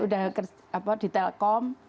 udah di telkom